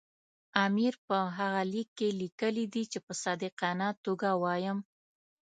امیر په هغه لیک کې لیکلي دي چې په صادقانه توګه وایم.